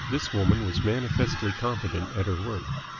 This woman was manifestly competent at her work.